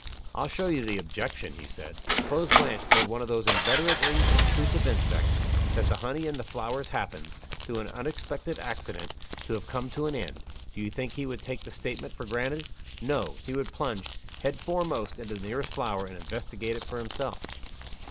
"I'll show you the objection," he said. "Suppose Blanche told one of those inveterately intrusive insects that the honey in the flowers happens, through an unexpected accident, to have come to an end do you think he would take the statement for granted? No. He would plunge head foremost into the nearest flower, and investigate it for himself."